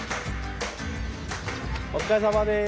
お疲れさまです。